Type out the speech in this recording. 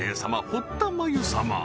堀田真由様